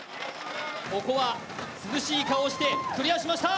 ここは涼しい顔をしてクリアしました。